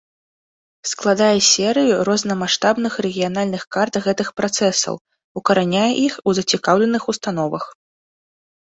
Складае серыю рознамаштабных рэгіянальных карт гэтых працэсаў, укараняе іх у зацікаўленых установах.